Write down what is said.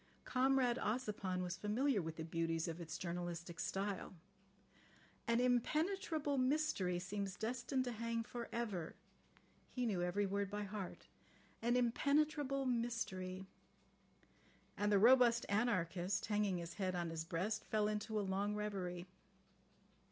Comrade Ossipon was familiar with the beauties of its journalistic style. "An impenetrable mystery seems destined to hang for ever. ..." He knew every word by heart. "An impenetrable mystery. ..." And the robust anarchist, hanging his head on his breast, fell into a long reverie.